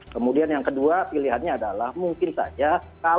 kemudian yang kedua pilihannya adalah mungkin saja